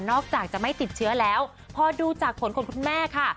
อกจากจะไม่ติดเชื้อแล้วพอดูจากผลของคุณแม่ค่ะ